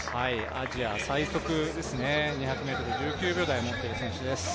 アジア最速ですね、２００ｍ１９秒台を持っている選手です。